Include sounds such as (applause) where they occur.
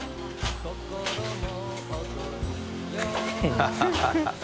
ハハハ (laughs)